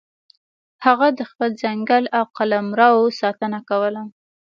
هغه د خپل ځنګل او قلمرو ساتنه کوله.